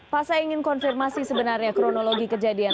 pak saya ingin konfirmasi sebenarnya kronologi kejadian